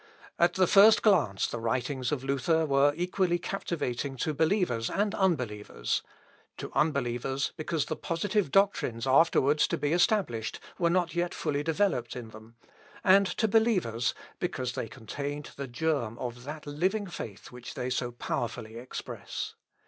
At the first glance the writings of Luther were equally captivating to believers and unbelievers, to unbelievers, because the positive doctrines afterwards to be established were not yet fully developed in them; and to believers, because they contained the germ of that living faith which they so powerfully express.